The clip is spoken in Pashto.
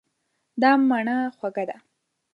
دا مڼه خوږه ده.